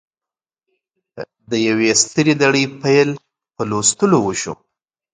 د یوې سترې لړۍ پیل په لوستلو وشو